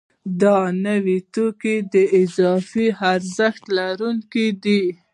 دا نوي توکي د اضافي ارزښت لرونکي دي